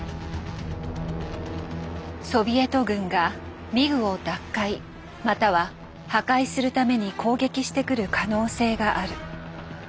ソビエト軍がミグを奪回または破壊するために攻撃してくる可能性がある。